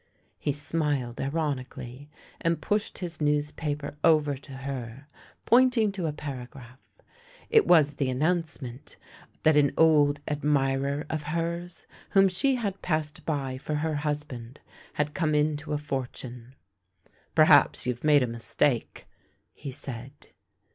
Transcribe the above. He smiled ironically and pushed his newspaper over to her, pointing to a paragraph. It was the announcement that an old admirer of hers whom she had passed by for her husband, had come into a fortune. " Perhaps you've made a mistake," he said.